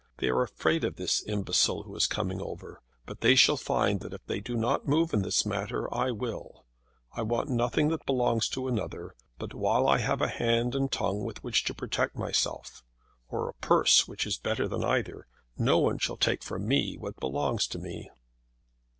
They are afraid of this imbecile who is coming over; but they shall find that if they do not move in the matter, I will. I want nothing that belongs to another; but while I have a hand and tongue with which to protect myself, or a purse, which is better than either, no one shall take from me what belongs to me."